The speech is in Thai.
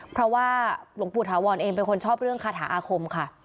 เพราะว่าหลวงปู่ถาวรเองเป็นคนชอบเรื่องคาถาอาคมค่ะ